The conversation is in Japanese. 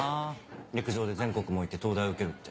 陸上で全国もいって東大受けるって。